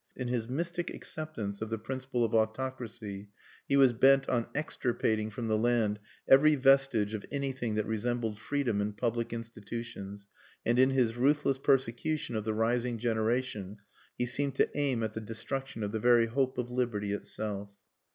In his mystic acceptance of the principle of autocracy he was bent on extirpating from the land every vestige of anything that resembled freedom in public institutions; and in his ruthless persecution of the rising generation he seemed to aim at the destruction of the very hope of liberty itself.